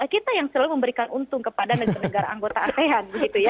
kita yang selalu memberikan untung kepada negara negara anggota asean